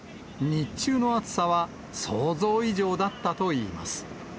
日中の暑さは想像以上だったといいます。